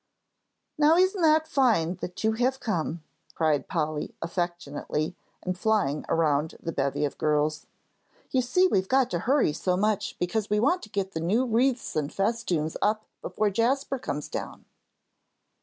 "Now isn't that fine that you have come!" cried Polly, affectionately, and flying around the bevy of girls. "You see we've got to hurry so much because we want to get the new wreaths and festoons up before Jasper comes down."